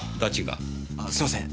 ああすいません。